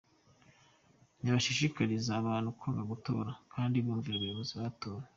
Ntibashishikariza abantu kwanga gutora, kandi bumvira abayobozi batowe.